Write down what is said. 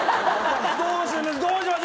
どうします？